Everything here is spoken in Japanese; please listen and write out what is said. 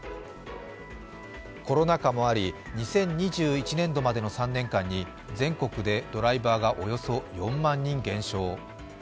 コロナ禍もあり、２０２１年度までの３年間に、全国でドライバーがおよそ４万人減少。